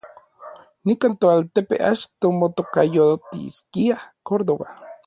Nikan toaltepe achto motokayotiskia Córdoba.